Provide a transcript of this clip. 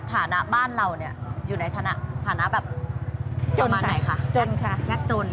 ฐานะบ้านเราเนี่ยอยู่ในฐานะฐานะแบบประมาณไหนคะจนค่ะยากจน